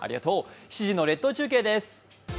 ７時の列島中継です。